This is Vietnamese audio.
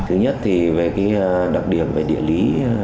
thứ nhất thì về cái đặc điểm về địa lý